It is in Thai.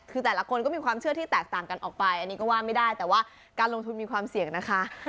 คือแต่ละคนก็มีความเชื่อที่แตกต่างกันออกไปอันนี้ก็ว่าไม่ได้แต่ว่าการลงทุนมีความเสี่ยงนะคะ